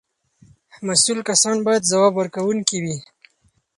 مسؤل کسان باید ځواب ورکوونکي وي.